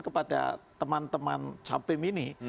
kepada teman teman capim ini